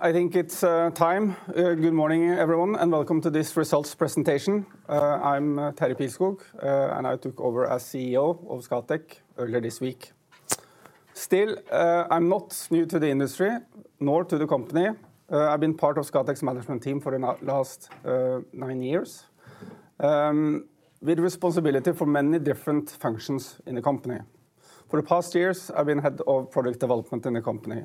I think it's time. Good morning everyone, and welcome to this results presentation. I'm Terje Pilskog, and I took over as CEO of Scatec earlier this week. Still, I'm not new to the industry, nor to the company. I've been part of Scatec's management team for the last nine years, with responsibility for many different functions in the company. For the past years, I've been head of product development in the company.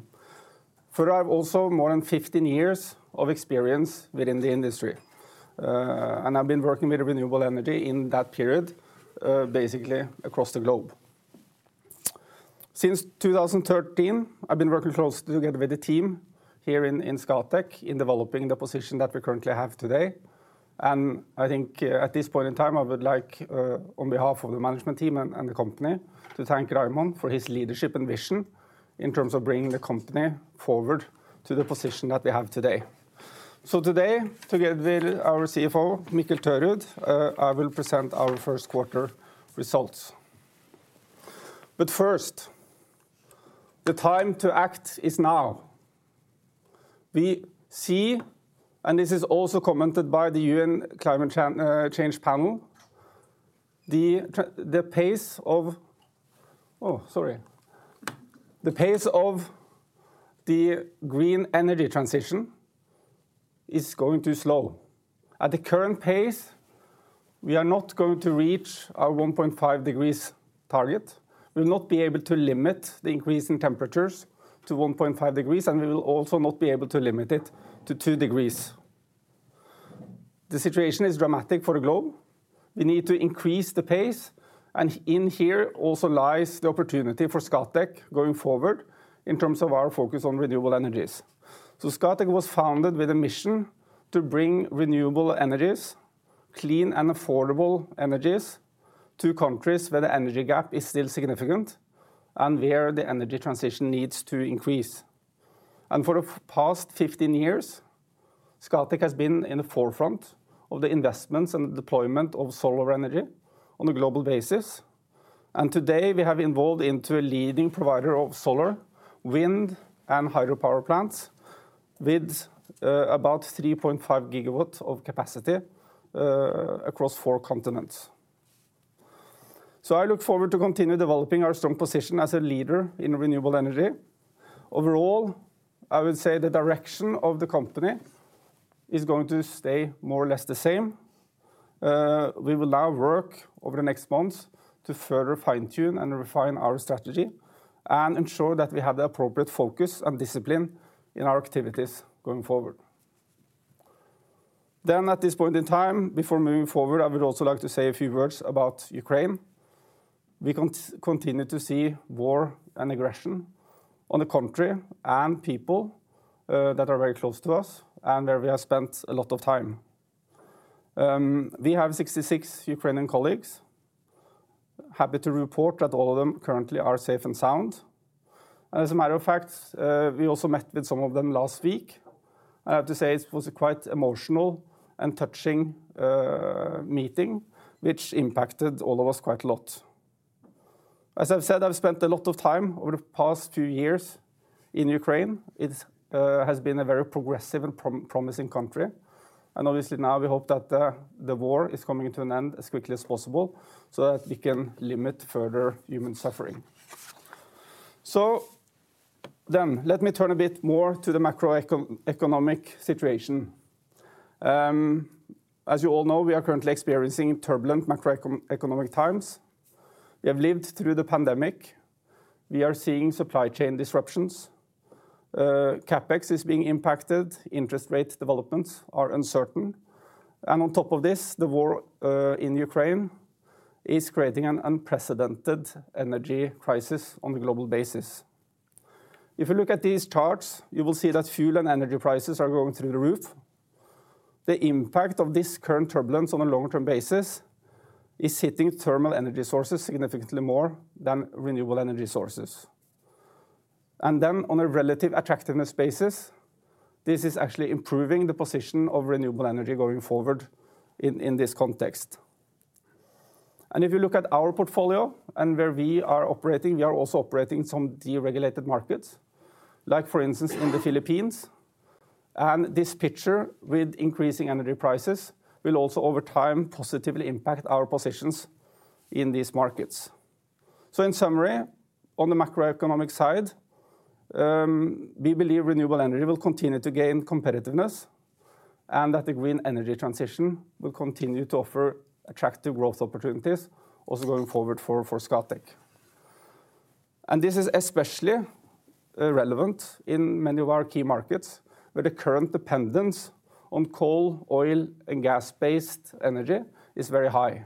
I have also more than 15 years of experience within the industry. I've been working with renewable energy in that period, basically across the globe. Since 2013, I've been working closely together with the team here in Scatec in developing the position that we currently have today. I think, at this point in time, I would like, on behalf of the management team and the company to thank Raymond for his leadership and vision in terms of bringing the company forward to the position that we have today. Today, together with our CFO, Mikkel Tørud, I will present our Q1 results. First, the time to act is now. We see, and this is also commented by the UN Climate Change panel, the pace of the green energy transition is going too slow. At the current pace, we are not going to reach our 1.5 degrees target. We'll not be able to limit the increase in temperatures to 1.5 degrees, and we will also not be able to limit it to 2 degrees. The situation is dramatic for the globe. We need to increase the pace, and in here also lies the opportunity for Scatec going forward in terms of our focus on renewable energies. Scatec was founded with a mission to bring renewable energies, clean and affordable energies to countries where the energy gap is still significant and where the energy transition needs to increase. For the past 15 years, Scatec has been in the forefront of the investments and deployment of solar energy on a global basis. Today we have evolved into a leading provider of solar, wind, and hydropower plants with about 3.5 gigawatts of capacity across 4 continents. I look forward to continue developing our strong position as a leader in renewable energy. Overall, I would say the direction of the company is going to stay more or less the same. We will now work over the next months to further fine-tune and refine our strategy and ensure that we have the appropriate focus and discipline in our activities going forward. At this point in time, before moving forward, I would also like to say a few words about Ukraine. We continue to see war and aggression on the country and people that are very close to us and where we have spent a lot of time. We have 66 Ukrainian colleagues. Happy to report that all of them currently are safe and sound. As a matter of fact, we also met with some of them last week. I have to say it was quite emotional and touching meeting, which impacted all of us quite a lot. As I've said, I've spent a lot of time over the past few years in Ukraine. It has been a very progressive and promising country. Obviously now we hope that the war is coming to an end as quickly as possible, so that we can limit further human suffering. Let me turn a bit more to the macroeconomic situation. As you all know, we are currently experiencing turbulent macroeconomic times. We have lived through the pandemic. We are seeing supply chain disruptions. CapEx is being impacted. Interest rate developments are uncertain. On top of this, the war in Ukraine is creating an unprecedented energy crisis on a global basis. If you look at these charts, you will see that fuel and energy prices are going through the roof. The impact of this current turbulence on a long-term basis is hitting thermal energy sources significantly more than renewable energy sources. On a relative attractiveness basis, this is actually improving the position of renewable energy going forward in this context. If you look at our portfolio and where we are operating, we are also operating some deregulated markets, like for instance in the Philippines. This picture with increasing energy prices will also over time positively impact our positions in these markets. In summary, on the macroeconomic side, we believe renewable energy will continue to gain competitiveness and that the green energy transition will continue to offer attractive growth opportunities also going forward for Scatec. This is especially relevant in many of our key markets, where the current dependence on coal, oil, and gas-based energy is very high.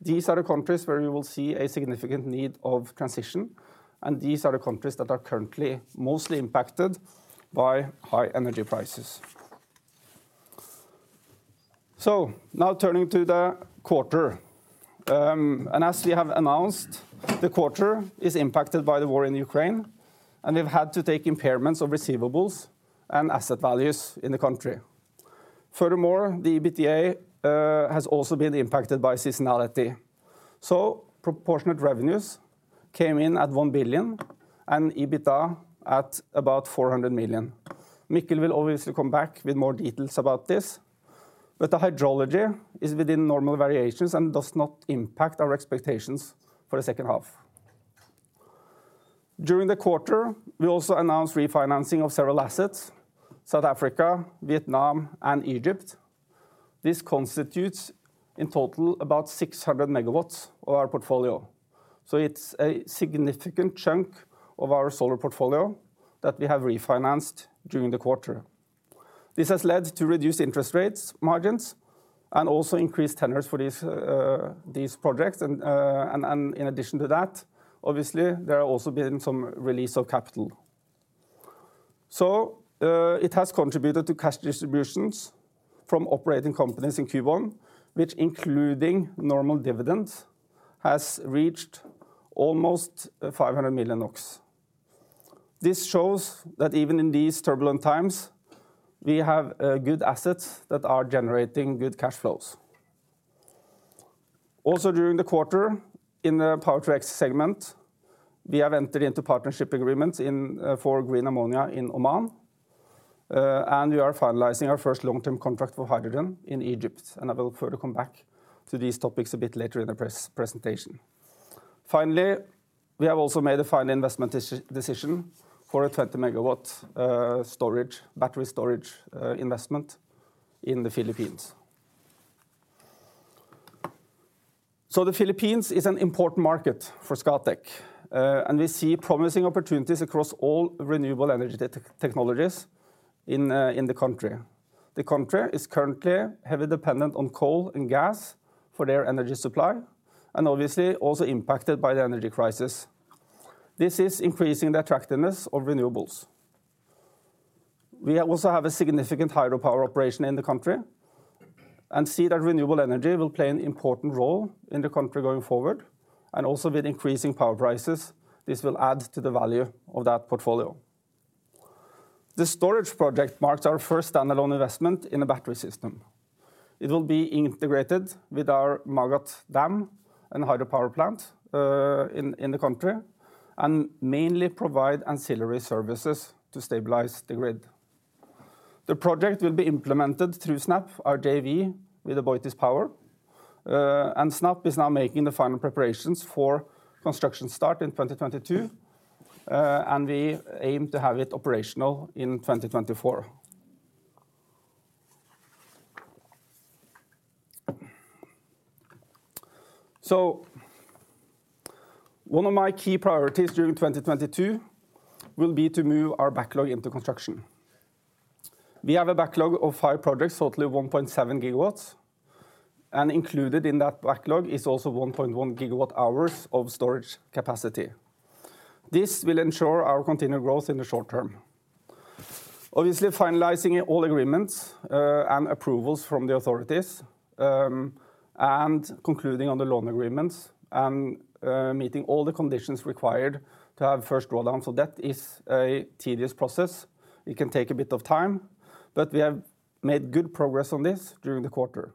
These are the countries where we will see a significant need of transition, and these are the countries that are currently mostly impacted by high energy prices. Now turning to the quarter. As we have announced, the quarter is impacted by the war in Ukraine, and we've had to take impairments of receivables and asset values in the country. Furthermore, the EBITDA has also been impacted by seasonality. Proportionate revenues came in at 1 billion and EBITDA at about 400 million. Mikkel will obviously come back with more details about this, but the hydrology is within normal variations and does not impact our expectations for the H2. During the quarter, we also announced refinancing of several assets, South Africa, Vietnam and Egypt. This constitutes, in total, about 600 MW of our portfolio. It's a significant chunk of our solar portfolio that we have refinanced during the quarter. This has led to reduced interest rate margins and also increased tenors for these projects. In addition to that, obviously there has also been some release of capital. It has contributed to cash distributions from operating companies in Q1, which, including normal dividends, has reached almost 500 million NOK. This shows that even in these turbulent times, we have good assets that are generating good cash flows. Also, during the quarter in the Power-to-X segment, we have entered into partnership agreements for green ammonia in Oman, and we are finalizing our first long-term contract for hydrogen in Egypt. I will further come back to these topics a bit later in the presentation. Finally, we have also made a final investment decision for a 20 MW storage, battery storage, investment in the Philippines. The Philippines is an important market for Scatec, and we see promising opportunities across all renewable energy technologies in the country. The country is currently heavily dependent on coal and gas for their energy supply, and obviously also impacted by the energy crisis. This is increasing the attractiveness of renewables. We also have a significant hydropower operation in the country and see that renewable energy will play an important role in the country going forward. With increasing power prices, this will add to the value of that portfolio. The storage project marks our first standalone investment in a battery system. It will be integrated with our Magat Dam and hydropower plant, in the country and mainly provide ancillary services to stabilize the grid. The project will be implemented through SNAP, our JV with AboitizPower, and SNAP is now making the final preparations for construction start in 2022. We aim to have it operational in 2024. One of my key priorities during 2022 will be to move our backlog into construction. We have a backlog of five projects, totaling 1.7 gigawatts, and included in that backlog is also 1.1 gigawatt hours of storage capacity. This will ensure our continued growth in the short term. Obviously, finalizing all agreements, and approvals from the authorities, and concluding on the loan agreements and, meeting all the conditions required to have first drawdown. That is a tedious process. It can take a bit of time, but we have made good progress on this during the quarter,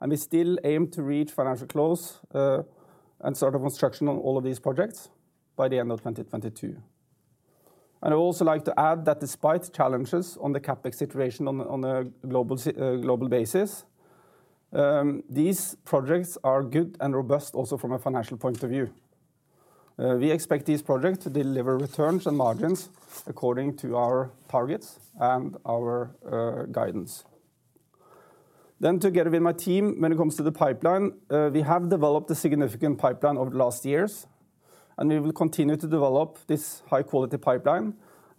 and we still aim to reach financial close, and start of construction on all of these projects by the end of 2022. I'd also like to add that despite challenges on the CapEx situation on a global basis, these projects are good and robust also from a financial point of view. We expect these projects to deliver returns and margins according to our targets and our guidance. Together with my team, when it comes to the pipeline, we have developed a significant pipeline over the last years, and we will continue to develop this high quality pipeline.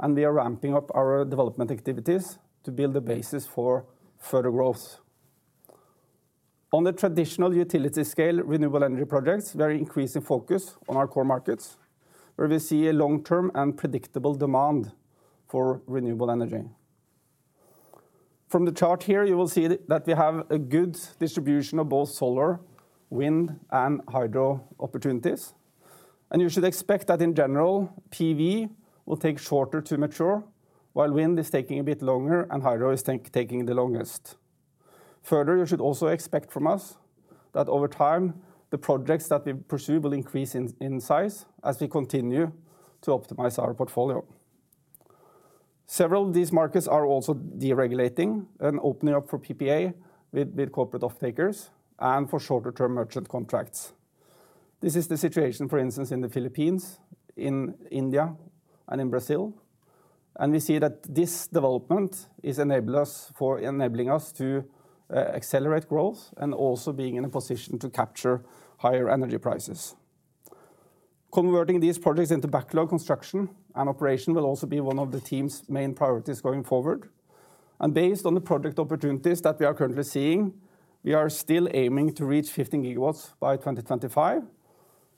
We are ramping up our development activities to build the basis for further growth. On the traditional utility scale, renewable energy projects, we are increasing focus on our core markets, where we see a long-term and predictable demand for renewable energy. From the chart here, you will see that we have a good distribution of both solar, wind and hydro opportunities, and you should expect that in general, PV will take shorter to mature, while wind is taking a bit longer and hydro is taking the longest. Further, you should also expect from us that over time, the projects that we pursue will increase in size as we continue to optimize our portfolio. Several of these markets are also deregulating and opening up for PPA with corporate off-takers and for shorter term merchant contracts. This is the situation, for instance, in the Philippines, in India, and in Brazil. We see that this development enables us for... enabling us to accelerate growth and also being in a position to capture higher energy prices. Converting these projects into backlog construction and operation will also be one of the team's main priorities going forward. Based on the project opportunities that we are currently seeing, we are still aiming to reach 15 gigawatts by 2025,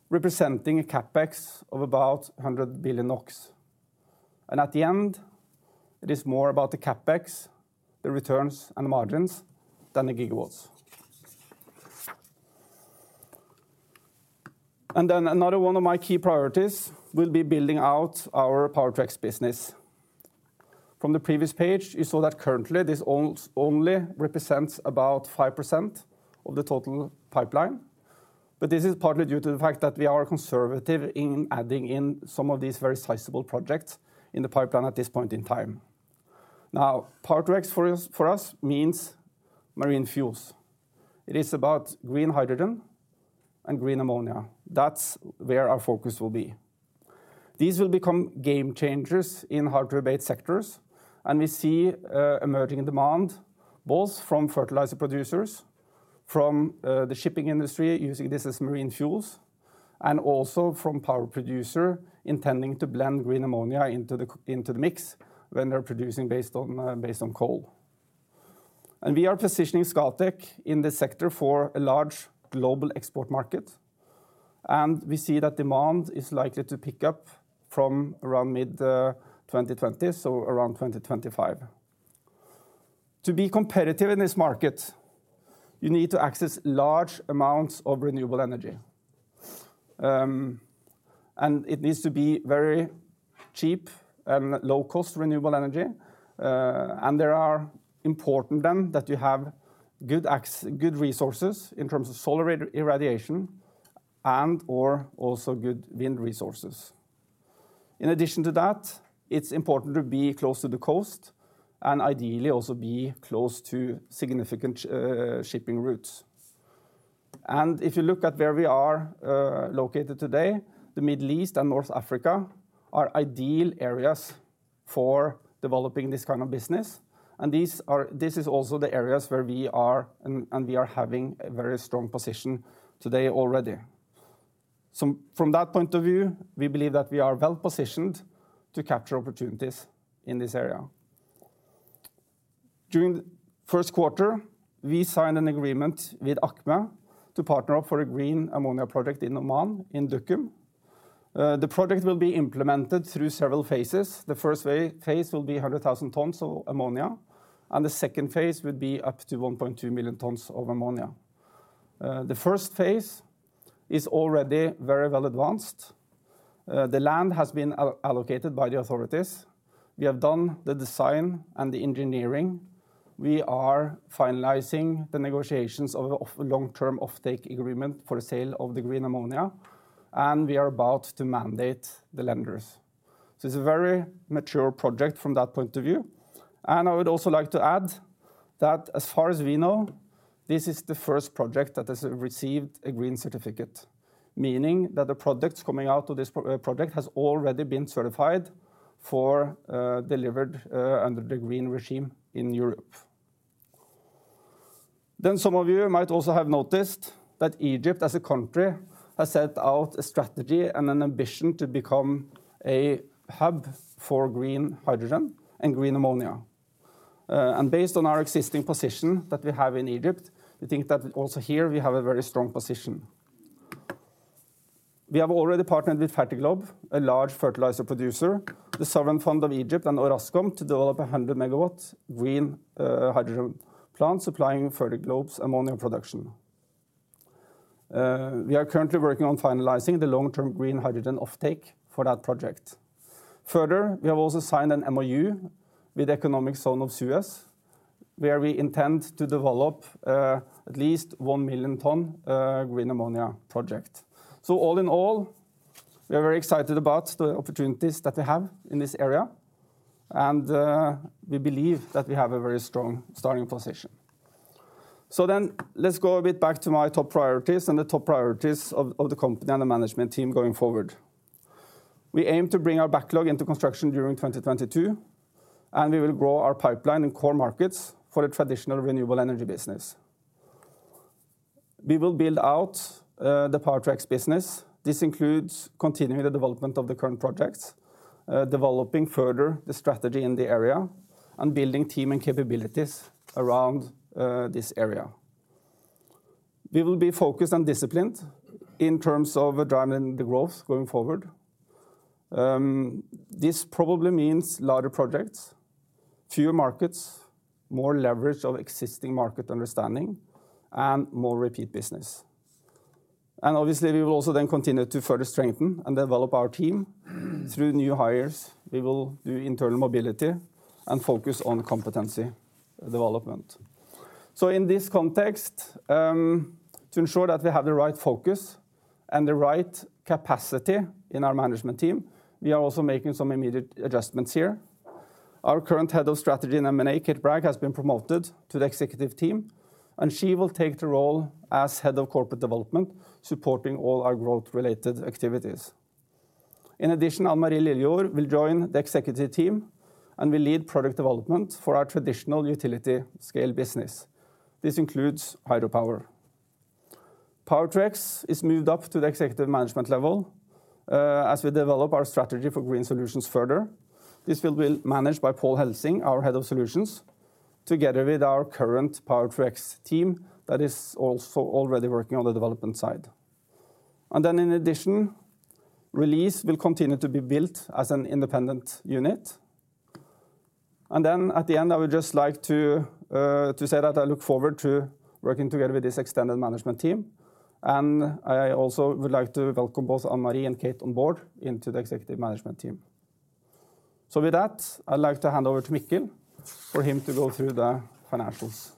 representing a CapEx of about 100 billion NOK. At the end, it is more about the CapEx, the returns and margins than the gigawatts. Then another one of my key priorities will be building out our Power-to-X business. From the previous page, you saw that currently this only represents about 5% of the total pipeline. This is partly due to the fact that we are conservative in adding in some of these very sizable projects in the pipeline at this point in time. Power-to-X for us means marine fuels. It is about green hydrogen and green ammonia. That's where our focus will be. These will become game changers in hard to abate sectors, and we see emerging demand both from fertilizer producers, from the shipping industry using this as marine fuels, and also from power producer intending to blend green ammonia into the mix when they're producing based on coal. We are positioning Scatec in this sector for a large global export market, and we see that demand is likely to pick up from around mid-2020s, so around 2025. To be competitive in this market, you need to access large amounts of renewable energy. It needs to be very cheap and low cost renewable energy. There are important, then, that you have good resources in terms of solar irradiation and/or also good wind resources. In addition to that, it's important to be close to the coast and ideally also be close to significant shipping routes. If you look at where we are located today, the Middle East and North Africa are ideal areas for developing this kind of business. These are also the areas where we are and we are having a very strong position today already. From that point of view, we believe that we are well-positioned to capture opportunities in this area. During Q1, we signed an agreement with ACME to partner up for a green ammonia project in Oman, in Duqm. The project will be implemented through several phases. The Phase II will be 100,000 tons of ammonia, and the Phase II will be up to 1.2 million tons of ammonia. The Phase II is already very well advanced. The land has been allocated by the authorities. We have done the design and the engineering. We are finalizing the negotiations of long-term offtake agreement for the sale of the green ammonia, and we are about to mandate the lenders. It's a very mature project from that point of view. I would also like to add that as far as we know, this is the first project that has received a green certificate, meaning that the products coming out of this project has already been certified for delivered under the green regime in Europe. Some of you might also have noticed that Egypt as a country has set out a strategy and an ambition to become a hub for green hydrogen and green ammonia. Based on our existing position that we have in Egypt, we think that also here we have a very strong position. We have already partnered with Fertiglobe, a large fertilizer producer, The Sovereign Fund of Egypt and Orascom to develop a 100 MW green hydrogen plant supplying Fertiglobe's ammonia production. We are currently working on finalizing the long-term green hydrogen offtake for that project. Further, we have also signed an MoU with the Economic Zone of Suez, where we intend to develop at least 1 million ton green ammonia project. All in all, we are very excited about the opportunities that we have in this area, and we believe that we have a very strong starting position. Let's go a bit back to my top priorities and the top priorities of the company and the management team going forward. We aim to bring our backlog into construction during 2022, and we will grow our pipeline in core markets for a traditional renewable energy business. We will build out the Power-to-X business. This includes continuing the development of the current projects, developing further the strategy in the area and building team and capabilities around this area. We will be focused and disciplined in terms of driving the growth going forward. This probably means larger projects, fewer markets, more leverage of existing market understanding and more repeat business. Obviously, we will also then continue to further strengthen and develop our team through new hires. We will do internal mobility and focus on competency development. In this context, to ensure that we have the right focus and the right capacity in our management team, we are also making some immediate adjustments here. Our current Head of Strategy and M&A, Kate Bragg, has been promoted to the executive team, and she will take the role as Head of Corporate Development, supporting all our growth related activities. In addition, Ann-Mari Lillejord will join the executive team and will lead product development for our traditional utility scale business. This includes hydropower. Power Tracks is moved up to the executive management level, as we develop our strategy for green solutions further. This will be managed by Pål Helsing, our Head of Solutions, together with our current Power Direct team that is also already working on the development side. In addition, EPC will continue to be built as an independent unit. At the end, I would just like to say that I look forward to working together with this extended management team. I also would like to welcome both Ann-Mari and Kate on board into the executive management team. With that, I'd like to hand over to Mikkel for him to go through the financials.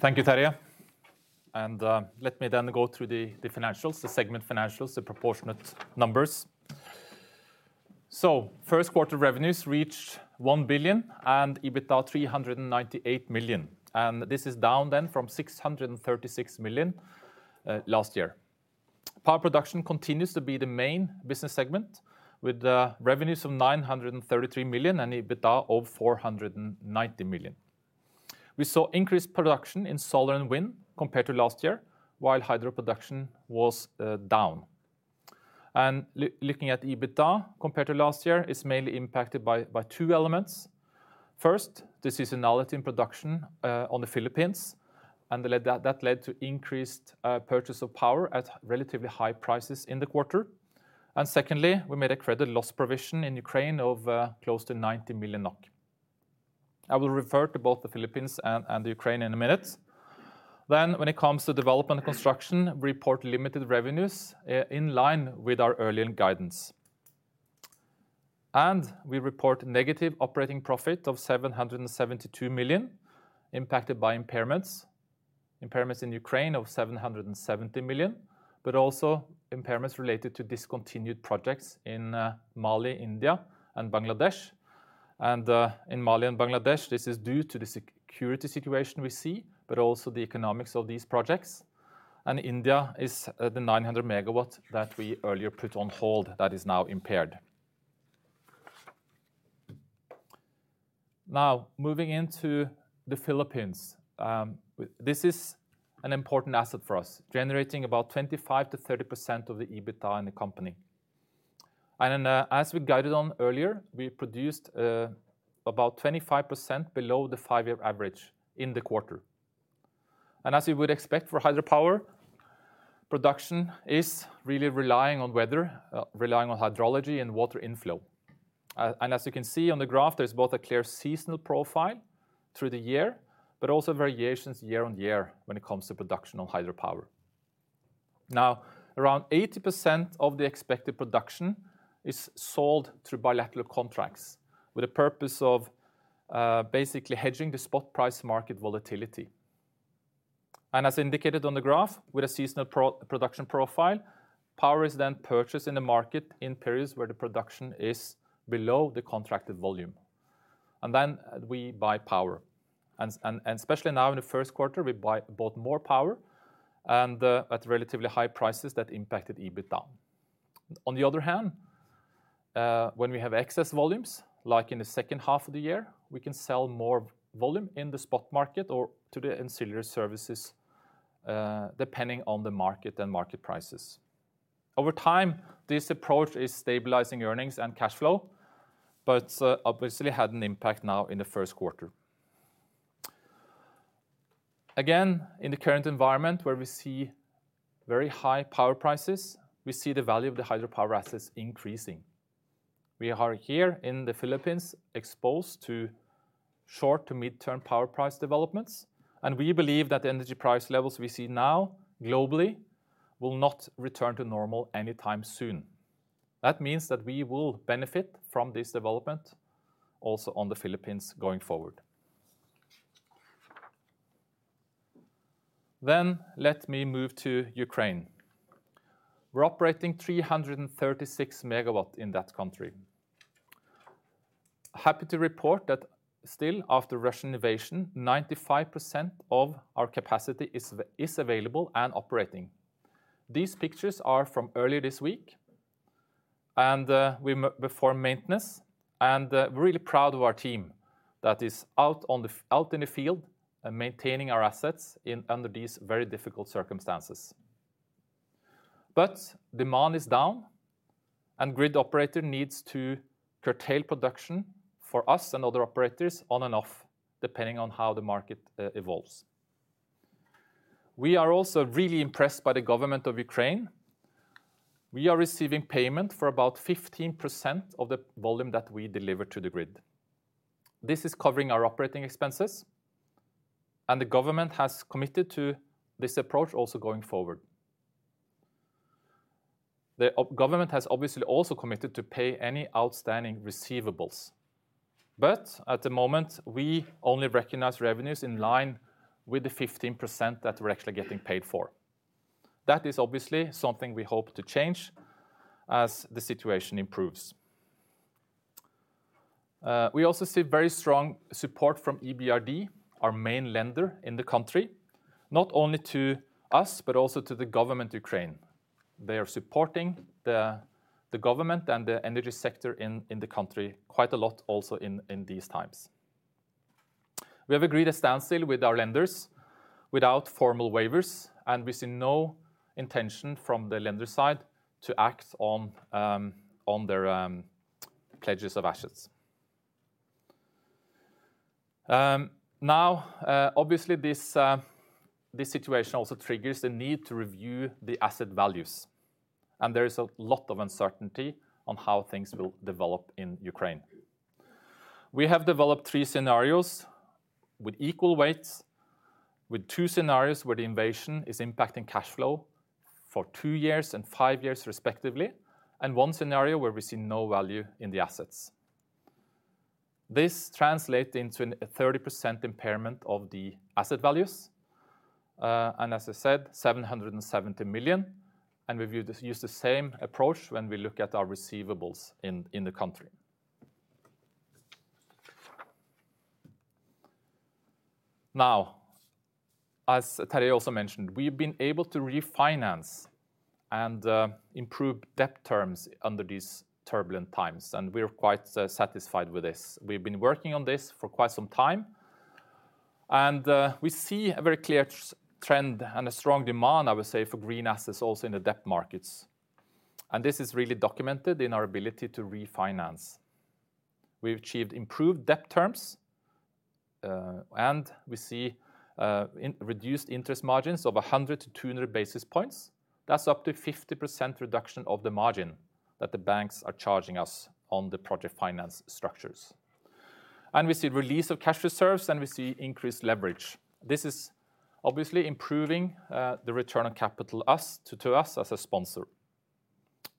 Thank you, Terje. Let me then go through the financials, the segment financials, the proportionate numbers. Q1 revenues reached 1 billion and EBITDA 398 million, and this is down then from 636 million last year. Power production continues to be the main business segment with revenues of 933 million and EBITDA of 490 million. We saw increased production in solar and wind compared to last year, while hydro production was down. Looking at EBITDA compared to last year is mainly impacted by two elements. First, the seasonality in production in the Philippines and that led to increased purchase of power at relatively high prices in the quarter. Secondly, we made a credit loss provision in Ukraine of close to 90 million NOK. I will refer to both the Philippines and Ukraine in a minute. When it comes to development construction, we report limited revenues in line with our earlier guidance. We report negative operating profit of 772 million impacted by impairments. Impairments in Ukraine of 770 million, but also impairments related to discontinued projects in Mali, India and Bangladesh. In Mali and Bangladesh, this is due to the security situation we see, but also the economics of these projects. India is the 900 MW that we earlier put on hold that is now impaired. Now, moving into the Philippines, this is an important asset for us, generating about 25%-30% of the EBITDA in the company. As we guided on earlier, we produced about 25% below the five-year average in the quarter. As you would expect for hydropower, production is really relying on weather, relying on hydrology and water inflow. As you can see on the graph, there's both a clear seasonal profile through the year, but also variations year-on-year when it comes to production on hydropower. Now, around 80% of the expected production is sold through bilateral contracts with the purpose of basically hedging the spot price market volatility. As indicated on the graph, with a seasonal production profile, power is then purchased in the market in periods where the production is below the contracted volume. Then we buy power, and especially now in the Q1, we buy. Bought more power and at relatively high prices that impacted EBITDA. On the other hand, when we have excess volumes, like in the H2 of the year, we can sell more volume in the spot market or to the ancillary services, depending on the market and market prices. Over time, this approach is stabilizing earnings and cash flow, but obviously had an impact now in the Q1. Again, in the current environment where we see very high power prices, we see the value of the hydropower assets increasing. We are here in the Philippines exposed to short to mid-term power price developments, and we believe that the energy price levels we see now globally will not return to normal anytime soon. That means that we will benefit from this development also on the Philippines going forward. Let me move to Ukraine. We're operating 336 megawatt in that country. Happy to report that still after Russian invasion, 95% of our capacity is available and operating. These pictures are from earlier this week, and, before maintenance, and, really proud of our team that is out in the field and maintaining our assets in, under these very difficult circumstances. Demand is down, and grid operator needs to curtail production for us and other operators on and off, depending on how the market evolves. We are also really impressed by the government of Ukraine. We are receiving payment for about 15% of the volume that we deliver to the grid. This is covering our operating expenses, and the government has committed to this approach also going forward. The government has obviously also committed to pay any outstanding receivables. At the moment, we only recognize revenues in line with the 15% that we're actually getting paid for. That is obviously something we hope to change as the situation improves. We also see very strong support from EBRD, our main lender in the country, not only to us, but also to the government Ukraine. They are supporting the government and the energy sector in the country quite a lot also in these times. We have agreed a standstill with our lenders without formal waivers, and we see no intention from the lender side to act on their pledges of assets. Now, obviously this situation also triggers the need to review the asset values, and there is a lot of uncertainty on how things will develop in Ukraine. We have developed three scenarios with equal weights, with two scenarios where the invasion is impacting cash flow for two years and five years respectively, and one scenario where we see no value in the assets. This translates into a 30% impairment of the asset values, and as I said, 770 million, and we've used the same approach when we look at our receivables in the country. Now, as Terje also mentioned, we've been able to refinance and improve debt terms under these turbulent times, and we're quite satisfied with this. We've been working on this for quite some time, and we see a very clear trend and a strong demand, I would say, for green assets also in the debt markets, and this is really documented in our ability to refinance. We've achieved improved debt terms, and we see reduced interest margins of 100-200 basis points. That's up to 50% reduction of the margin that the banks are charging us on the project finance structures. We see release of cash reserves, and we see increased leverage. This is obviously improving the return on capital to us as a sponsor.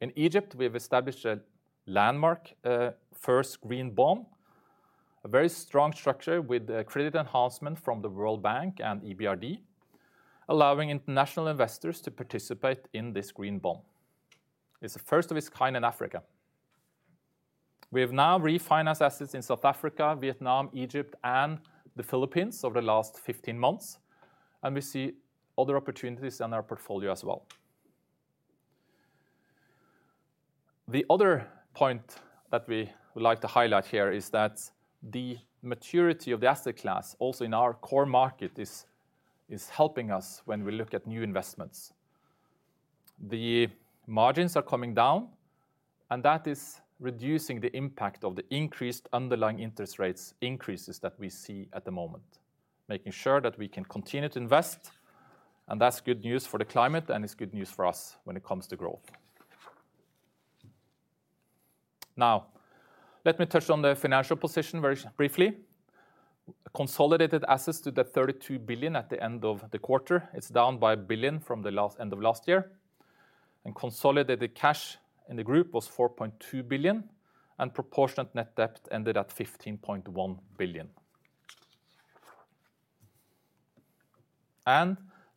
In Egypt, we have established a landmark first green bond, a very strong structure with credit enhancement from the World Bank and EBRD, allowing international investors to participate in this green bond. It's the first of its kind in Africa. We have now refinanced assets in South Africa, Vietnam, Egypt, and the Philippines over the last 15 months, and we see other opportunities in our portfolio as well. The other point that we would like to highlight here is that the maturity of the asset class, also in our core market, is helping us when we look at new investments. The margins are coming down, and that is reducing the impact of the increased underlying interest rates increases that we see at the moment, making sure that we can continue to invest, and that's good news for the climate, and it's good news for us when it comes to growth. Now, let me touch on the financial position very briefly. Consolidated assets stood at 32 billion at the end of the quarter. It's down by 1 billion from the end of last year. Consolidated cash in the group was 4.2 billion, and proportionate net debt ended at 15.1 billion.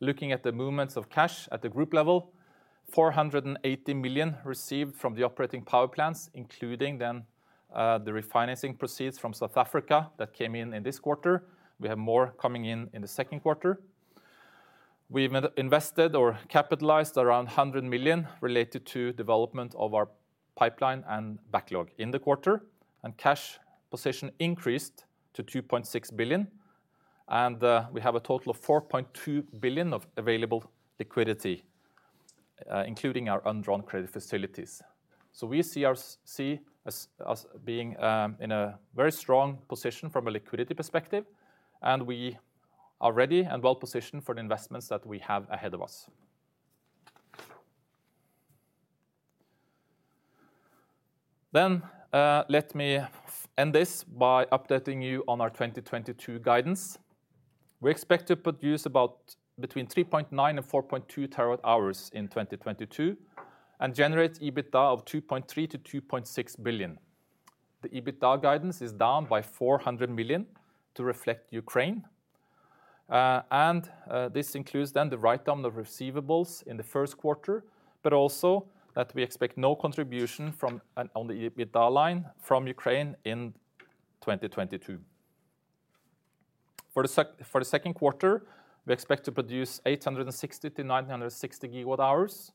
Looking at the movements of cash at the group level, 480 million received from the operating power plants, including the refinancing proceeds from South Africa that came in in this quarter. We have more coming in in the Q2. We've invested or capitalized around 100 million related to development of our pipeline and backlog in the quarter, and cash position increased to 2.6 billion, and we have a total of 4.2 billion of available liquidity, including our undrawn credit facilities. We see us being in a very strong position from a liquidity perspective, and we are ready and well-positioned for the investments that we have ahead of us. Let me end this by updating you on our 2022 guidance. We expect to produce about between 3.9 and 4.2 TWh in 2022 and generate EBITDA of 2.3-2.6 billion. The EBITDA guidance is down by 400 million to reflect Ukraine, and this includes then the write-down of receivables in the Q1, but also that we expect no contribution from Ukraine on the EBITDA line in 2022. For the Q2, we expect to produce 860-960 GWh.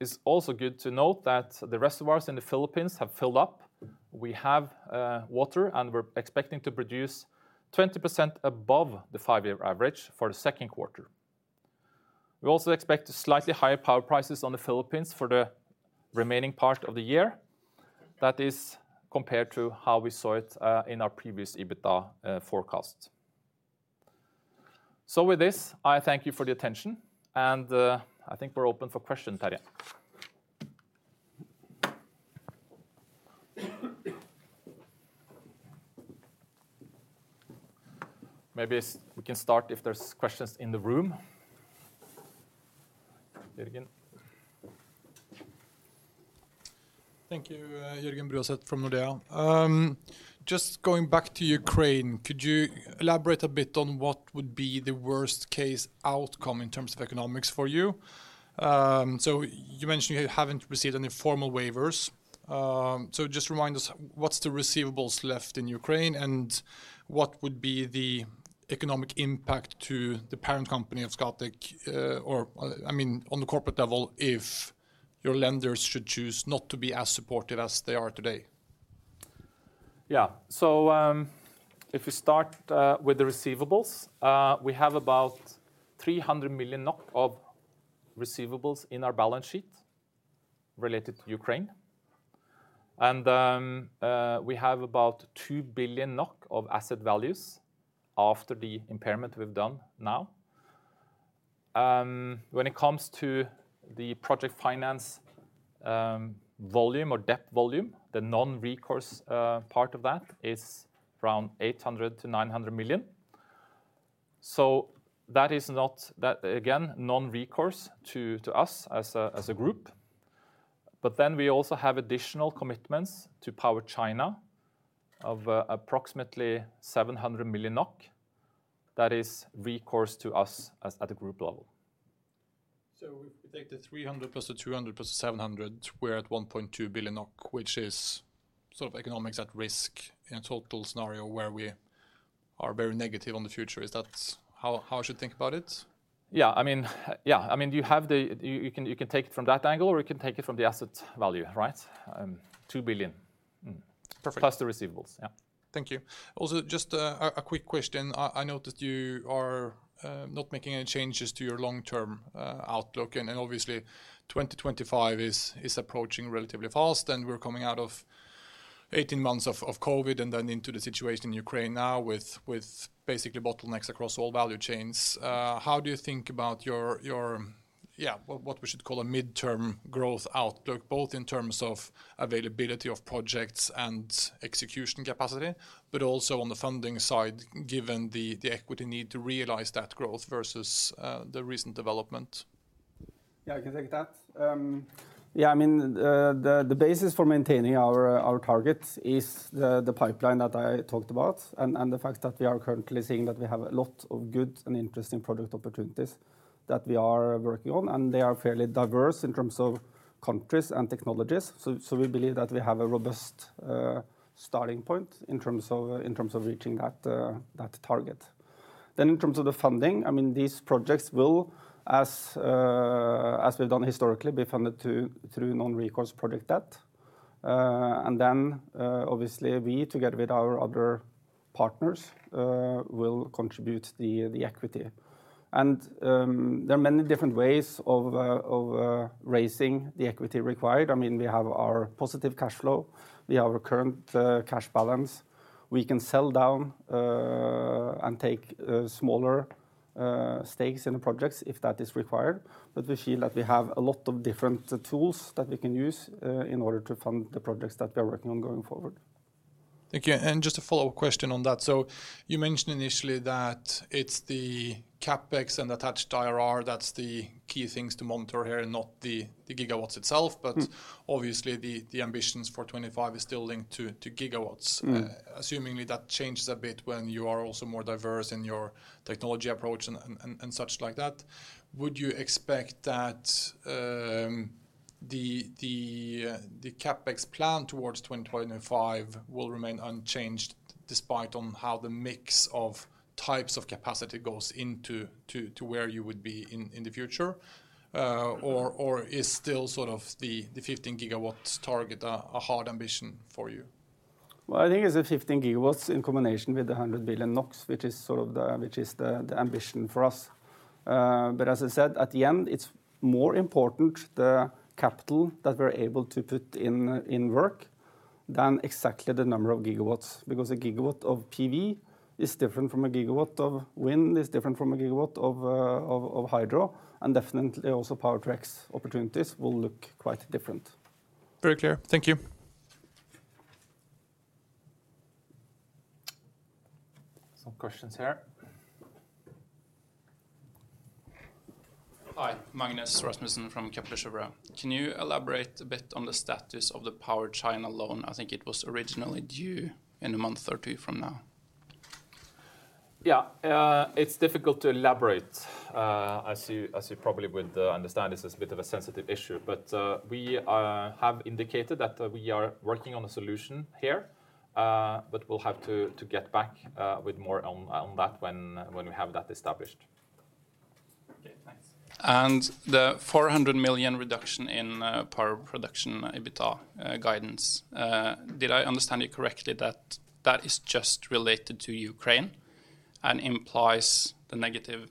It's also good to note that the reservoirs in the Philippines have filled up. We have water, and we're expecting to produce 20% above the five-year average for the Q2. We also expect slightly higher power prices in the Philippines for the remaining part of the year. That is compared to how we saw it, in our previous EBITDA forecast. With this, I thank you for the attention, and, I think we're open for questions, Terje. Maybe we can start if there's questions in the room. Jørgen. Thank you. Jørgen Bruaset from Nordea. Just going back to Ukraine, could you elaborate a bit on what would be the worst case outcome in terms of economics for you? You mentioned you haven't received any formal waivers. Just remind us, what's the receivables left in Ukraine, and what would be the economic impact to the parent company of Scatec, I mean, on the corporate level, if your lenders should choose not to be as supportive as they are today? If we start with the receivables, we have about 300 million NOK receivables in our balance sheet related to Ukraine. We have about 2 billion NOK of asset values after the impairment we've done now. When it comes to the project finance volume or debt volume, the non-recourse part of that is around 800 million-900 million. That is not. That, again, non-recourse to us as a group. We also have additional commitments to PowerChina of approximately 700 million NOK that is recourse to us as a group. If we take the 300 plus the 200 plus the 700, we're at 1.2 billion, which is sort of economics at risk in a total scenario where we are very negative on the future. Is that how I should think about it? Yeah. I mean, you can take it from that angle, or you can take it from the asset value, right? 2 billion. Perfect. The receivables. Yeah. Thank you. Also, just a quick question. I note that you are not making any changes to your long-term outlook, and then obviously 2025 is approaching relatively fast, and we're coming out of 18 months of COVID and then into the situation in Ukraine now with basically bottlenecks across all value chains. How do you think about your midterm growth outlook, both in terms of availability of projects and execution capacity, but also on the funding side, given the equity need to realize that growth versus the recent development? Yeah, I can take that. Yeah, I mean, the basis for maintaining our targets is the pipeline that I talked about and the fact that we are currently seeing that we have a lot of good and interesting project opportunities that we are working on, and they are fairly diverse in terms of countries and technologies. We believe that we have a robust starting point in terms of reaching that target. In terms of the funding, I mean, these projects will, as we've done historically, be funded through non-recourse project debt. Obviously we together with our other partners will contribute the equity. There are many different ways of raising the equity required. I mean, we have our positive cash flow. We have our current cash balance. We can sell down and take smaller stakes in the projects if that is required. We feel that we have a lot of different tools that we can use in order to fund the projects that we are working on going forward. Thank you. Just a follow-up question on that. You mentioned initially that it's the CapEx and attached IRR that's the key things to monitor here and not the gigawatts itself. Mm. Obviously, the ambitions for 25 is still linked to gigawatts. Mm. Assuming that changes a bit when you are also more diverse in your technology approach and such like that. Would you expect that the CapEx plan towards 2025 will remain unchanged depending on how the mix of types of capacity goes into to where you would be in the future? Is still sort of the 15 GW target a hard ambition for you? Well, I think it's the 15 gigawatts in combination with the 100 billion NOK, which is the ambition for us. As I said, at the end, it's more important the capital that we're able to put in work than exactly the number of gigawatts. Because a gigawatt of PV is different from a gigawatt of wind, is different from a gigawatt of hydro, and definitely also Power-to-X opportunities will look quite different. Very clear. Thank you. Some questions here. Hi. Magnus Rasmussen from Capital Shinra. Can you elaborate a bit on the status of the PowerChina loan? I think it was originally due in a month or 30 days from now. Yeah. It's difficult to elaborate. As you probably would understand, this is a bit of a sensitive issue. We have indicated that we are working on a solution here, but we'll have to get back with more on that when we have that established. Okay. Thanks. The 400 million reduction in power production EBITDA guidance, did I understand you correctly that is just related to Ukraine and implies the negative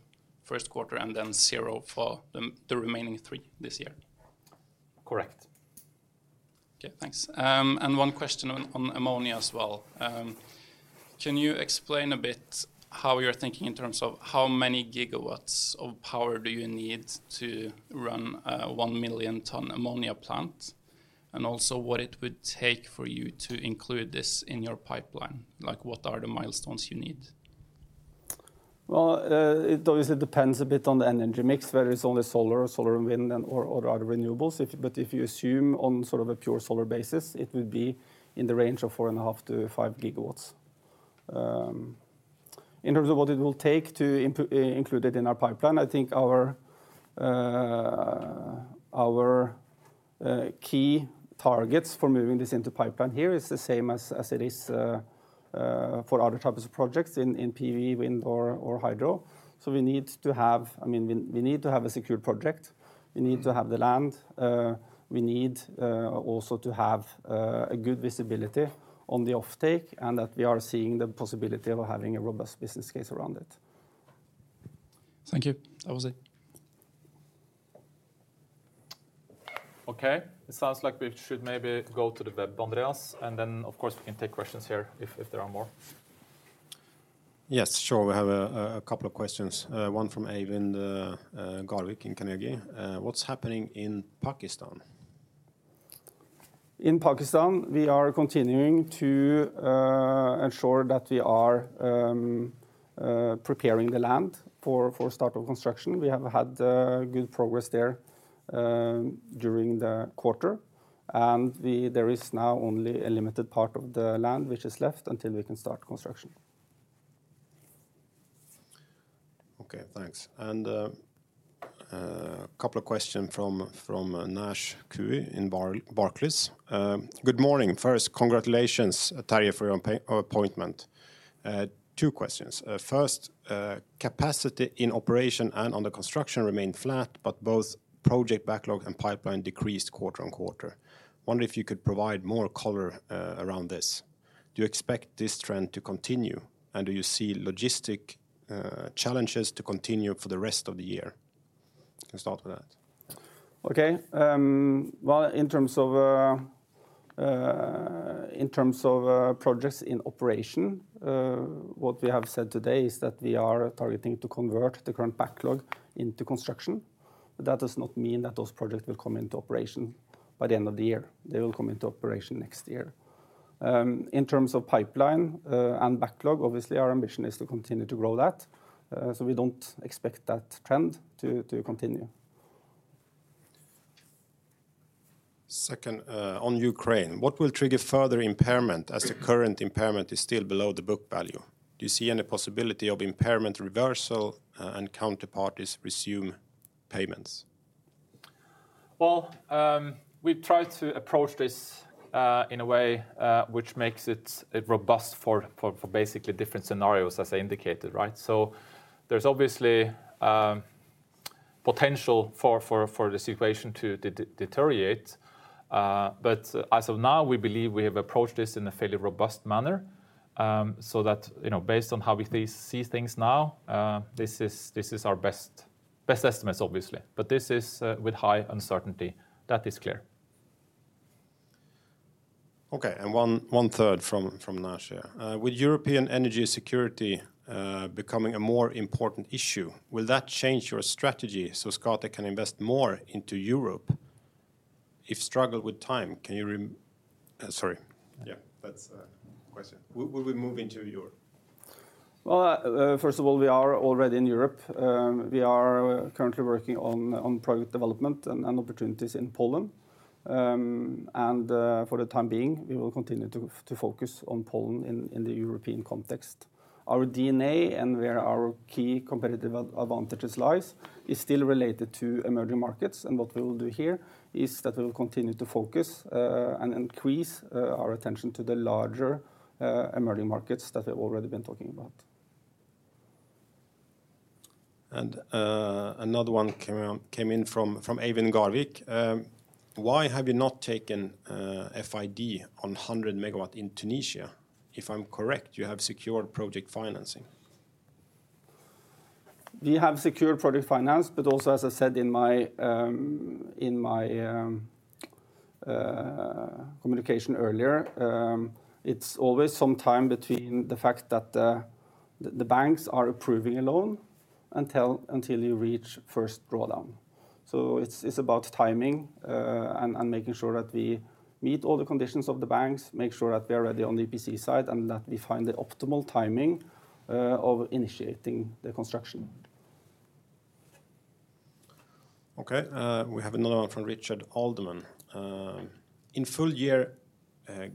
Q1 and then zero for the remaining three this year? Correct. Okay. Thanks. One question on ammonia as well. Can you explain a bit how you're thinking in terms of how many gigawatts of power do you need to run a 1 million ton ammonia plant? Also what it would take for you to include this in your pipeline. Like, what are the milestones you need? Well, it obviously depends a bit on the energy mix, whether it's only solar and wind or other renewables. If you assume on sort of a pure solar basis, it would be in the range of 4.5-5 gigawatts. In terms of what it will take to include it in our pipeline, I think our key targets for moving this into pipeline here is the same as it is for other types of projects in PV, wind or hydro. I mean, we need to have a secure project. We need to have the land. We need also to have a good visibility on the offtake, and that we are seeing the possibility of having a robust business case around it. Thank you. That was it. Okay. It sounds like we should maybe go to the web, Andreas, and then of course, we can take questions here if there are more. Yes, sure. We have a couple of questions, one from Eivind Garvik in Carnegie. What's happening in Pakistan? In Pakistan, we are continuing to ensure that we are preparing the land for start of construction. We have had good progress there during the quarter, and there is now only a limited part of the land which is left until we can start construction. Thanks. Couple of questions from Nash Kui in Barclays. Good morning. First, congratulations, Tarje, for your appointment. Two questions. First, capacity in operation and under construction remained flat, but both project backlog and pipeline decreased quarter-on-quarter. Wonder if you could provide more color around this. Do you expect this trend to continue, and do you see logistics challenges to continue for the rest of the year? You can start with that. Okay. Well, in terms of projects in operation, what we have said today is that we are targeting to convert the current backlog into construction. That does not mean that those projects will come into operation by the end of the year. They will come into operation next year. In terms of pipeline and backlog, obviously, our ambition is to continue to grow that, so we don't expect that trend to continue. Second, on Ukraine, what will trigger further impairment as the current impairment is still below the book value? Do you see any possibility of impairment reversal, and counterparties resume payments? Well, we've tried to approach this in a way which makes it robust for basically different scenarios as I indicated, right? There's obviously potential for the situation to deteriorate, but as of now, we believe we have approached this in a fairly robust manner, so that, you know, based on how we see things now, this is our best estimates, obviously. This is with high uncertainty. That is clear. One third from Nash. With European energy security becoming a more important issue, will that change your strategy so Scatec can invest more into Europe? Yeah, that's a question. Will we move into Europe? Well, first of all, we are already in Europe. We are currently working on project development and opportunities in Poland. For the time being, we will continue to focus on Poland in the European context. Our DNA and where our key competitive advantages lies is still related to emerging markets. What we will do here is that we will continue to focus and increase our attention to the larger emerging markets that we've already been talking about. Another one came in from Eivind Garvik. Why have you not taken FID on 100 MW in Tunisia? If I'm correct, you have secured project financing. We have secured project finance, but also as I said in my communication earlier, it's always some time between the fact that the banks are approving a loan until you reach first drawdown. It's about timing and making sure that we meet all the conditions of the banks, make sure that we are ready on the EPC side, and that we find the optimal timing of initiating the construction. Okay. We have another one from Richard Alderman. In full-year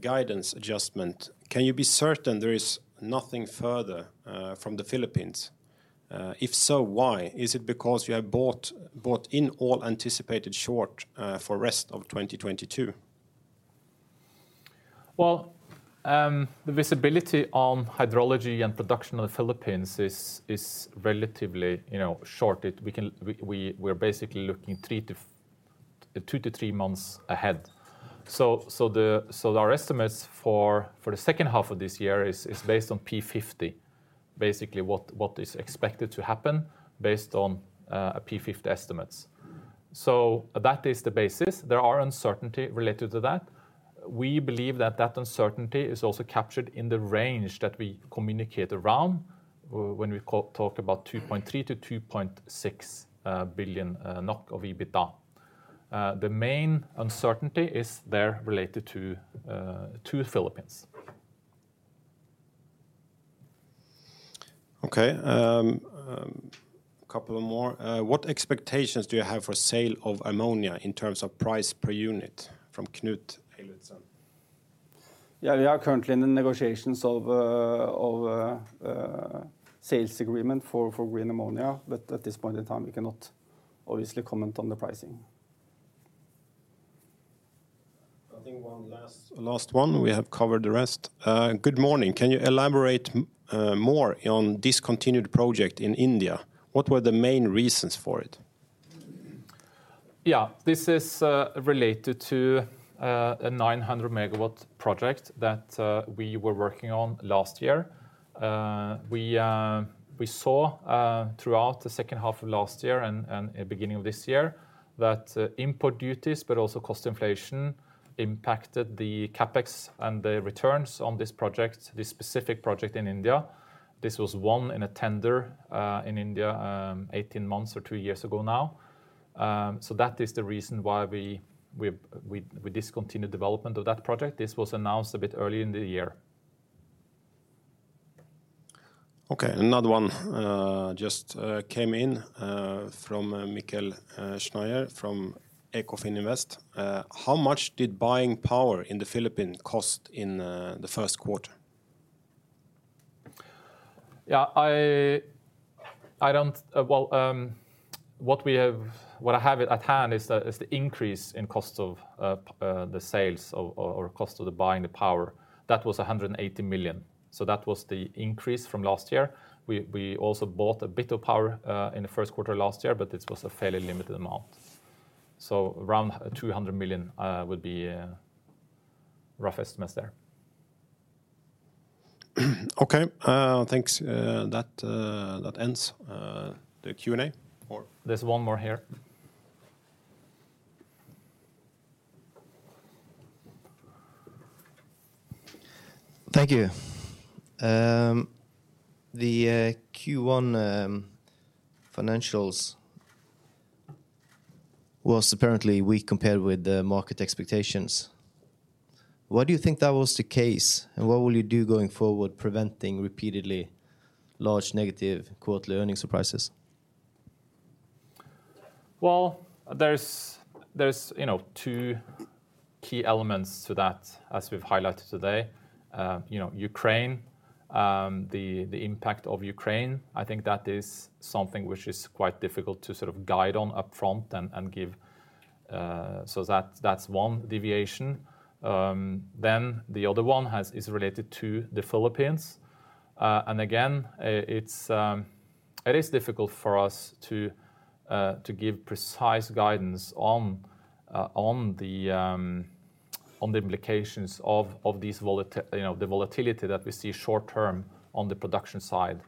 guidance adjustment, can you be certain there is nothing further from the Philippines? If so, why? Is it because you have built in all anticipated shortfall for rest of 2022? Well, the visibility on hydrology and production in the Philippines is relatively, you know, short. We're basically looking two to three months ahead. Our estimates for the H2 of this year is based on P50, basically what is expected to happen based on P50 estimates. That is the basis. There are uncertainty related to that. We believe that uncertainty is also captured in the range that we communicate around when we talk about 2.3 billion-2.6 billion NOK of EBITDA. The main uncertainty is there related to Philippines. Couple of more. What expectations do you have for sale of ammonia in terms of price per unit from Knut Elutson? Yeah, we are currently in the negotiations of sales agreement for green ammonia, but at this point in time, we cannot obviously comment on the pricing. I think one last one. We have covered the rest. Good morning. Can you elaborate more on discontinued project in India? What were the main reasons for it? Yeah, this is related to a 900 megawatt project that we were working on last year. We saw throughout the H2 of last year and beginning of this year that input duties but also cost inflation impacted the CapEx and the returns on this project, this specific project in India. This was won in a tender in India 18 months or two years ago now. That is the reason why we discontinued development of that project. This was announced a bit early in the year. Okay. Another one just came in from Michael Schneider from EQT. How much did building power in the Philippines cost in the Q1? Well, what I have at hand is the increase in cost of the sales or cost of buying the power. That was 180 million. That was the increase from last year. We also bought a bit of power in the Q1 last year, but it was a fairly limited amount. Around 200 million would be a rough estimate there. Okay. Thanks. That ends the Q&A. There's one more here. Thank you. The Q1 financials was apparently weak compared with the market expectations. Why do you think that was the case, and what will you do going forward preventing repeatedly large negative quarterly earnings surprises? Well, there's you know, two key elements to that as we've highlighted today. You know, Ukraine, the impact of Ukraine, I think that is something which is quite difficult to sort of guide on upfront and give. That's one deviation. The other one is related to the Philippines. Again, it is difficult for us to give precise guidance on the implications of the volatility that we see short term on the production side.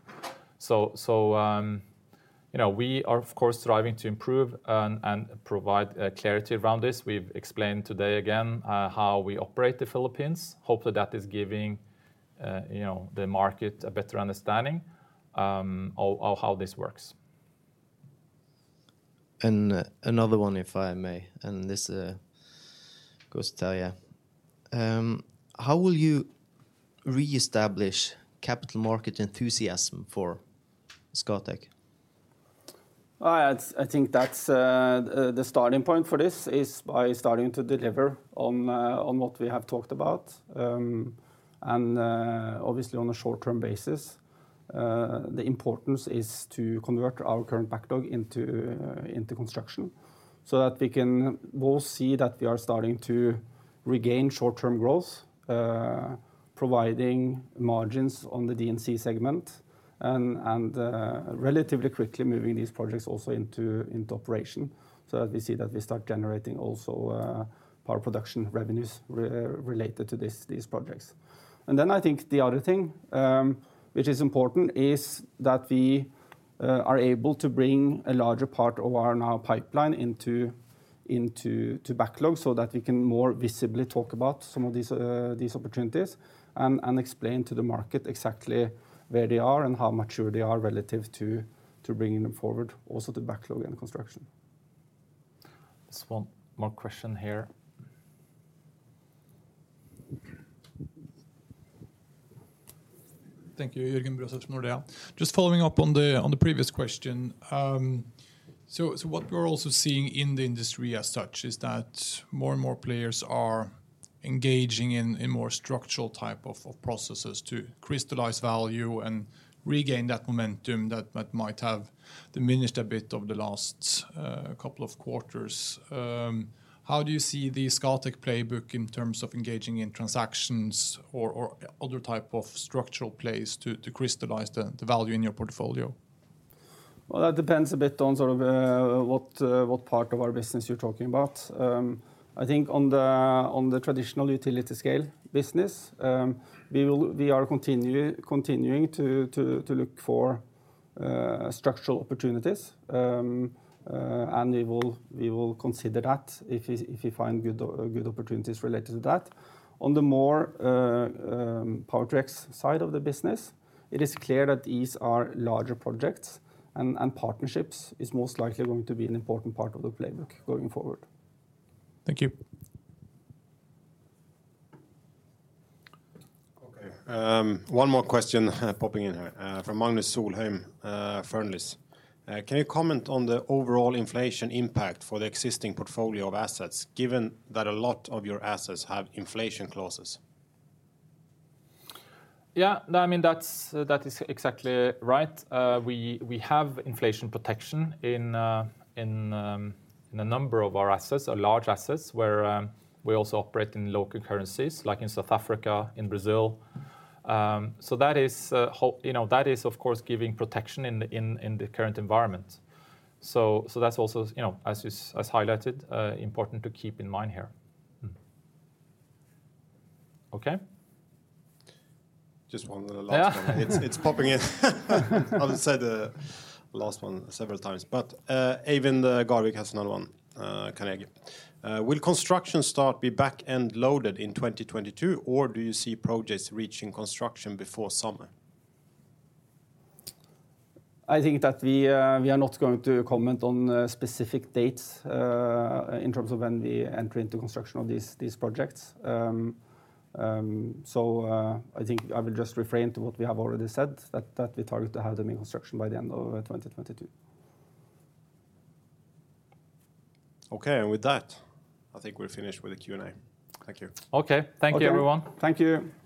You know, we are of course striving to improve and provide clarity around this. We've explained today again how we operate the Philippines. Hopefully that is giving you know, the market a better understanding of how this works. Another one, if I may, and this, goes to Terje. How will you reestablish capital market enthusiasm for Scatec? I think that's the starting point for this is by starting to deliver on what we have talked about and obviously on a short-term basis. The importance is to convert our current backlog into construction so that we can both see that we are starting to regain short-term growth, providing margins on the D&C segment and relatively quickly moving these projects also into operation so that we see that we start generating also power production revenues related to these projects. I think the other thing, which is important, is that we are able to bring a larger part of our own pipeline into backlog so that we can more visibly talk about some of these opportunities and explain to the market exactly where they are and how mature they are relative to bringing them forward also to backlog and construction. There's one more question here. Thank you. Jørgen Bruaset from Nordea. Just following up on the previous question. So what we're also seeing in the industry as such is that more and more players are engaging in a more structural type of processes to crystallize value and regain that momentum that might have diminished a bit over the last couple of quarters. How do you see the Scatec playbook in terms of engaging in transactions or other type of structural plays to crystallize the value in your portfolio? Well, that depends a bit on sort of what part of our business you're talking about. I think on the traditional utility scale business, we are continuing to look for structural opportunities. We will consider that if we find good opportunities related to that. On the more Power Direct side of the business, it is clear that these are larger projects and partnerships is most likely going to be an important part of the playbook going forward. Thank you. Okay. One more question popping in here, from Magnus Solheim, Fearnleys. Can you comment on the overall inflation impact for the existing portfolio of assets given that a lot of your assets have inflation clauses? Yeah. No, I mean, that's, that is exactly right. We have inflation protection in a number of our assets or large assets where we also operate in local currencies, like in South Africa, in Brazil. So that is, you know, that is of course giving protection in the current environment. So that's also, you know, as is, as highlighted, important to keep in mind here. Okay. Just one last one. Yeah. It's popping in. I've said last one several times, but Eivind Garvik has another one, Carnegie. Will construction start be back end loaded in 2022, or do you see projects reaching construction before summer? I think that we are not going to comment on specific dates in terms of when we enter into construction of these projects. I think I will just refer to what we have already said that we target to have them in construction by the end of 2022. Okay. With that, I think we're finished with the Q&A. Thank you. Okay. Thank you, everyone. Thank you.